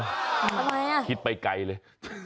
อะไรอ่ะคิดไปไกลเลย